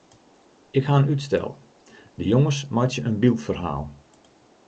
Ik ha in útstel: de jonges meitsje in byldferhaal.